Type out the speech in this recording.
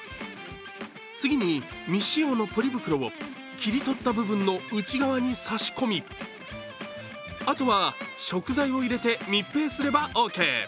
次に、未使用のポリ袋を切り取った部分の内側に差し込みあとは食材を入れて密閉すればオーケー。